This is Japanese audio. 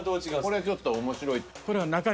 これちょっと面白い。